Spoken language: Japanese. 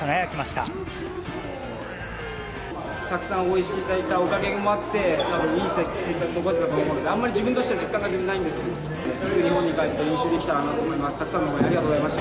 たくさん応援していただいたおかげもあって、いい成績が残せたと思うので、あんまり自分としては実感が全然ないんですけど、すぐ日本に帰って練習できたらと思います。